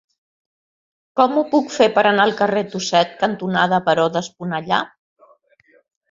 Com ho puc fer per anar al carrer Tuset cantonada Baró d'Esponellà?